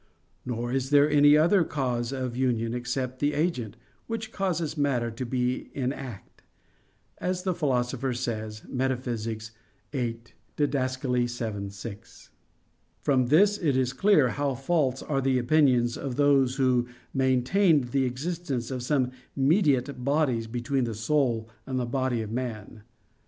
Nor is there any other cause of union except the agent, which causes matter to be in act, as the Philosopher says, Metaph. viii (Did. vii, 6). From this it is clear how false are the opinions of those who maintained the existence of some mediate bodies between the soul and body of man.